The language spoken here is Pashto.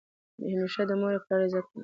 همیشه د مور او پلار عزت کوه!